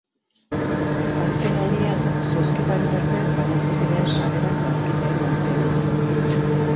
Azken aldian, zozketa bitartez banatu ziren sarrerak bazkideen artean.